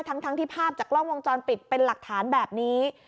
ทั้งที่ภาพจากกล้องวงจรปิดเป็นหลักฐานแบบนี้